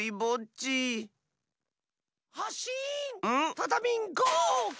タタミンゴー！